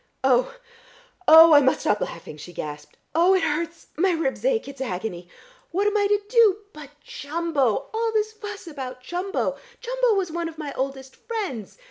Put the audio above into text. "Oh, oh, I must stop laughing!" she gasped. "Oh, it hurts.... My ribs ache; it's agony! What am I to do? But Jumbo! All this fuss about Jumbo! Jumbo was one of my oldest friends.